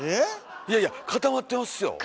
いやいや固まってます。